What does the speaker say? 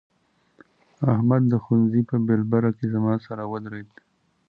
احمد د ښوونځي په بېلبره کې زما سره ودرېد.